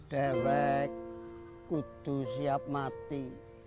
dewek kudus siap mati